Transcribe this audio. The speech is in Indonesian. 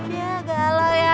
ya galau ya ella lila